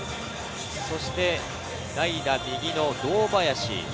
そして代打・右の堂林。